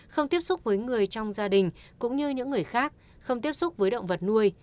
không tiếp xúc với người trong gia đình cũng như những người khác không tiếp xúc với động vật nuôi